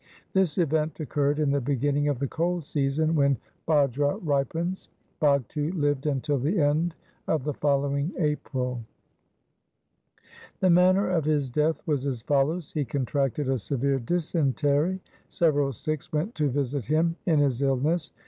This event occurred in the beginning of the cold season when bajra ripens. Bhagtu lived until the end of the following April. The manner of his death was as follows :— He con tracted a severe dysentery. Several Sikhs went to visit him in his illness.